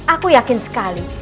aku yakin sekali